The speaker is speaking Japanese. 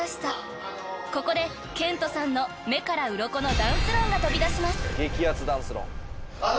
［ここでケントさんの目からうろこのダンス論が飛び出します］